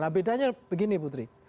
nah bedanya begini putri